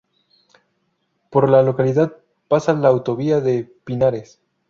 Por la localidad pasa la Autovía de Pinares.